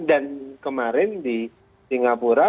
dan kemarin di singapura